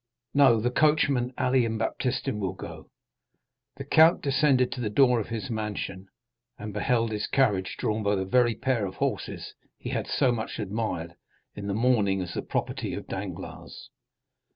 "No, the coachman, Ali, and Baptistin will go." The count descended to the door of his mansion, and beheld his carriage drawn by the very pair of horses he had so much admired in the morning as the property of Danglars.